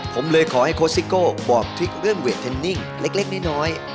ผมเลยขอให้โค้ชซิโก้บอกทริคเรื่องเวทเทนนิ่งเล็กน้อย